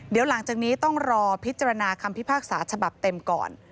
เดี๋ยวหลังจากนี้ต้องรอพิจารณาคำพิพากษาฉบับเต็มก่อน